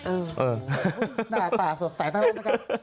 เออหน้าตาสดใสมากนะครับ